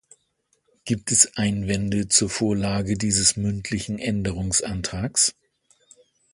Gibt es Einwände zur Vorlage dieses mündlichen Änderungsantrags?